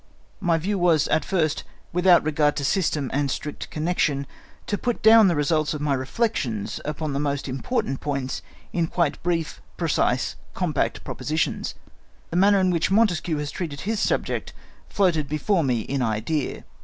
My view was at first, without regard to system and strict connection, to put down the results of my reflections upon the most important points in quite brief, precise, compact propositions. The manner in which Montesquieu has treated his subject floated before me in idea.